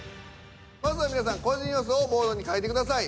まずは皆さん個人予想をボードに書いてください。